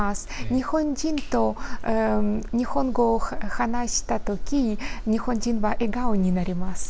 日本人と日本語を話したとき、日本人は笑顔になります。